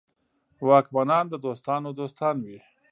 واکمنان د دوستانو دوستان وي.